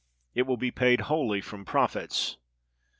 It will be paid wholly from profits.